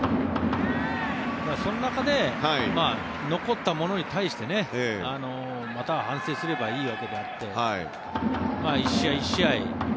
その中で残ったものに対してまた反省すればいいのであって１試合１試合